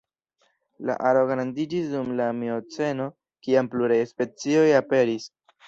La aro grandiĝis dum la mioceno kiam pluraj specioj aperis.